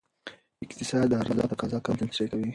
اقتصاد د عرضه او تقاضا قوانین تشریح کوي.